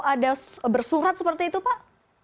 ada bersurat seperti itu pak